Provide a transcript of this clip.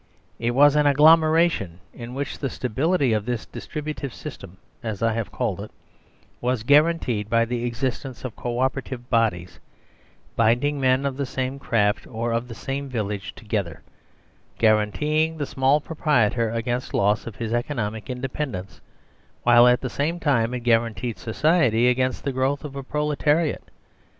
It was an agglo meration in which the stability of this distributive system (as I have called it) was guaranteed by the existence of co operative bodies, binding men of the same craft or of the same village together ; guaran teeing the small proprietor against loss of his econo mic independence, while at the same time it guaran teed society against the growth of a proletariat.